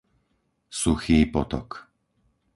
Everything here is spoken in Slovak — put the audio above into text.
Suchý potok